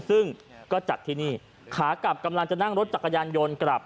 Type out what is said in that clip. ซึ่งก็จัดที่นี่ขากลับกำลังจะนั่งรถจักรยานยนต์กลับ